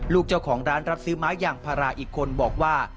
ลูกเจ้าของร้านรับซื้อไม้ยางพาราอีกคนบอกว่า